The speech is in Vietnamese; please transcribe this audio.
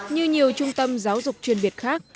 như nhiều trung tâm giáo dục chuyên biệt khác